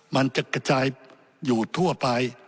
มันจะกระจายอยู่ทั่วไป